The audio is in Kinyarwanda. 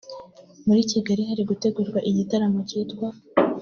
muri Kigali hari gutegurwa igitaramo cyitwa